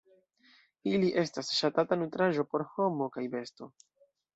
Ili estas ŝatata nutraĵo por homo kaj besto.